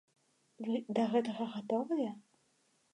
Вы да гэтага гатовыя?